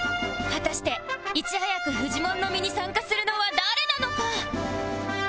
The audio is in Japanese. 果たしていち早くフジモン飲みに参加するのは誰なのか？